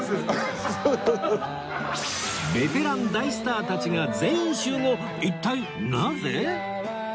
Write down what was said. ベテラン大スターたちが全員集合！